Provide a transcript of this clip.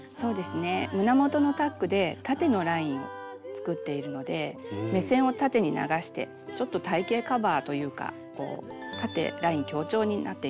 胸元のタックで縦のラインを作っているので目線を縦に流してちょっと体型カバーというか縦ライン強調になっています。